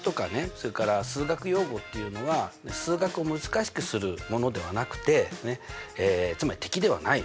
それから数学用語っていうのは数学を難しくするものではなくてつまり敵ではないの。